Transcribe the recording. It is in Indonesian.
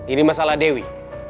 ini masalah dewi